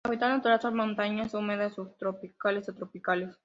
Su hábitat natural son montañas húmedas subtropicales o tropicales.